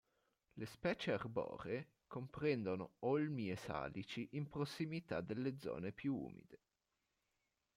Le specie arboree comprendono olmi e salici in prossimità delle zone più umide.